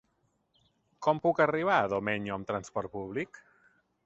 Com puc arribar a Domenyo amb transport públic?